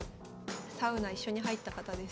サウナ一緒に入った方です。